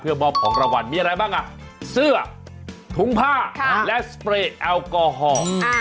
มอบของรางวัลมีอะไรบ้างอ่ะเสื้อถุงผ้าและสเปรย์แอลกอฮอล์